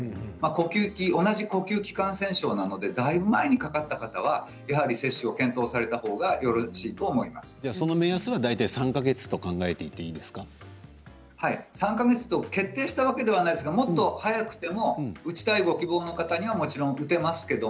呼吸器、同じ呼吸器感染症なのでだいぶ前にかかった方はやはり接種を検討されたほうがその目安は大体３か月と３か月と決定したわけではないですがもっと早くても打ちたいとご希望の方はもちろん打つことができます。